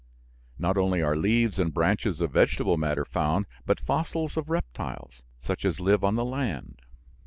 Not only are leaves and branches of vegetable matter found, but fossils of reptiles, such as live on the land.